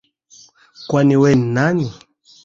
Kwani we ni nani?